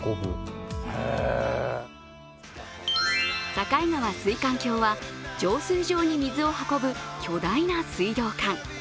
境川水管橋は浄水場に水を運ぶ巨大な水道管。